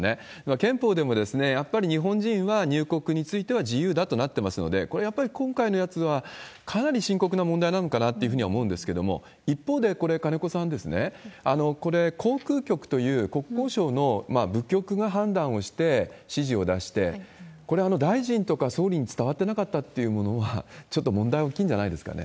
憲法でもやっぱり日本人は入国については自由だとなってますので、これはやっぱり、今回のやつはかなり深刻な問題なのかなというふうには思うんですけれども、一方でこれ、金子さん、これ、航空局という国交省の部局が判断をして指示を出して、これ、大臣とか総理に伝わってなかったっていうものは、ちょっと問題大きいんじゃないですかね。